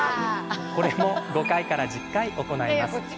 これも５回から１０回行います。